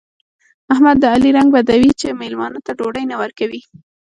احمد د علي رنګ بدوي چې مېلمانه ته ډوډۍ نه ورکوي.